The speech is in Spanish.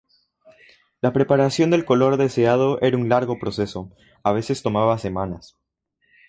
La preparación del color deseado era un largo proceso, a veces tomaba semanas.